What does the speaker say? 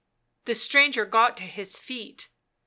The stranger got to his feet.